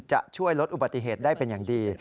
จะช่วยลดอุบัติเหตุได้เป็นอย่างดี